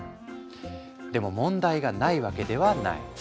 でも問題がないわけではない。